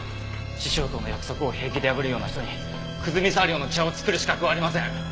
師匠との約束を平気で破るような人に久住茶寮の茶を作る資格はありません！